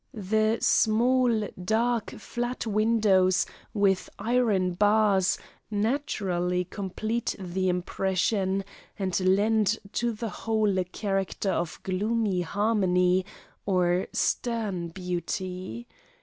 The small, dark, flat windows with iron bars naturally complete the impression and lend to the whole a character of gloomy harmony, or stern beauty.